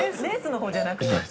レースの方じゃなくて。